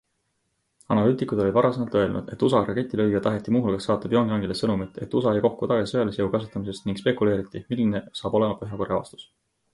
Analüütikud olid varasemalt öelnud, et USA raketilöögiga taheti muu hulgas saata Pyongyangile sõnumit, et USA ei kohku tagasi sõjalise jõu kasutamisest ning spekuleeriti, milline saab olema Põhja-Korea vastus.